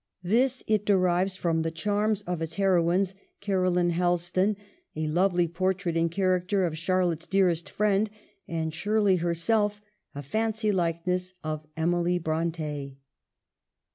This it derives from the charm of its heroines — Caroline Hel stone, a lovely portrait in character of Charlotte's dearest friend, and Shirley herself, a fancy like ness of Emily Bronte.